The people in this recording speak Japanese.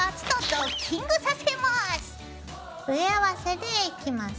上合わせでいきます。